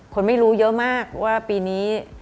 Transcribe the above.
คนไม่รู้เยอะมากว่าปีนี้